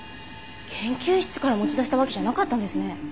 研究室から持ち出したわけじゃなかったんですね。